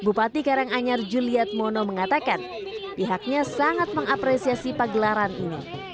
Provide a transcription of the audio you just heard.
bupati karanganyar juliet mono mengatakan pihaknya sangat mengapresiasi pagelaran ini